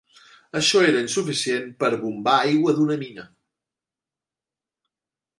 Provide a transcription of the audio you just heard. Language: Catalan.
Això era insuficient per bombar aigua d'una mina.